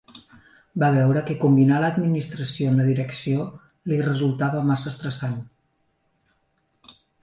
Va veure que combinar l'administració amb la direcció li resultava massa estressant.